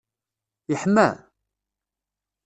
yeḥma?